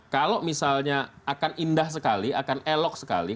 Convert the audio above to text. kalau misalnya akan indah sekali akan elok sekali